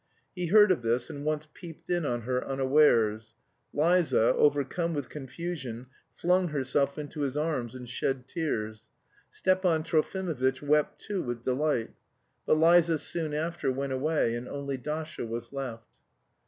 He heard of this and once peeped in on her unawares. Liza, overcome with confusion, flung herself into his arms and shed tears; Stepan Trofimovitch wept too with delight. But Liza soon after went away, and only Dasha was left.